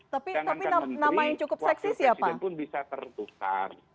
tapi namanya yang cukup seksi siapa